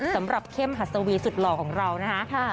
สำหรับเข้มหัสวีสุดหล่อของเรานะฮะ